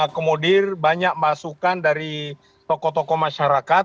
akomodir banyak masukan dari tokoh tokoh masyarakat